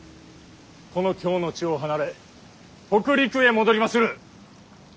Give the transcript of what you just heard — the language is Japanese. この京の地を離れ北陸へ戻りまする。